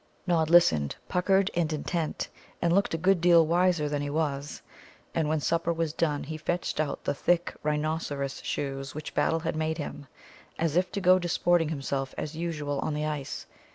Nod listened, puckered and intent, and looked a good deal wiser than he was. And when supper was done he fetched out the thick rhinoceros shoes which Battle had made him, as if to go disporting himself as usual on the ice.